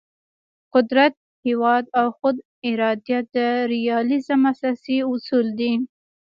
قدرت، هیواد او خود ارادیت د ریالیزم اساسي اصول دي.